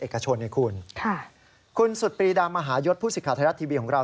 คุณสุดปรีดามมหายศผู้สิทธิภัทรรัฐทีวีของเรา